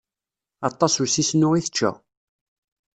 Aṭas n usisnu i tečča.